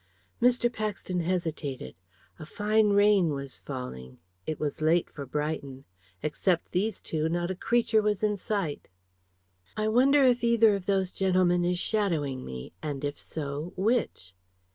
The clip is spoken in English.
Mr. Paxton hesitated. A fine rain was falling. It was late for Brighton. Except these two, not a creature was in sight. "I wonder if either of those gentlemen is shadowing me, and, if so, which?"